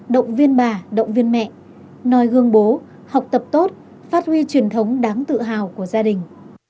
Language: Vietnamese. động viên bà động viên mẹ noi gương bố học tập tốt phát huy truyền thống đáng tự hào của gia đình